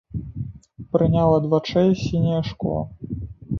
Прыняў ад вачэй сіняе шкло.